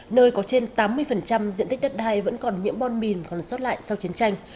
nơi có trên tám mươi diện tích đất đai vẫn còn nhiễm bom mìn còn sót lại sau chiến tranh